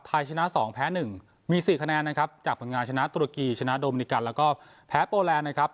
ชนะ๒แพ้๑มี๔คะแนนนะครับจากผลงานชนะตุรกีชนะโดมิกันแล้วก็แพ้โปแลนด์นะครับ